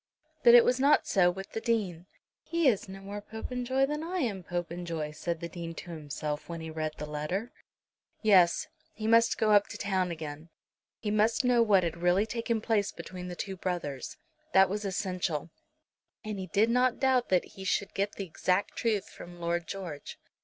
But it was not so with the Dean. "He is no more Popenjoy than I am Popenjoy," said the Dean to himself when he read the letter. Yes; he must go up to town again. He must know what had really taken place between the two brothers. That was essential, and he did not doubt but that he should get the exact truth from Lord George.